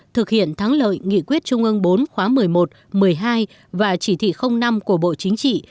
thực hiện thắng lợi nghị quyết trung ương bốn khóa một mươi một một mươi hai và chỉ thị năm của bộ chính trị